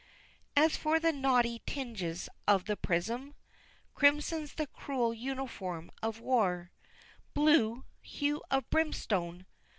IV. As for the naughty tinges of the prism Crimson's the cruel uniform of war Blue hue of brimstone!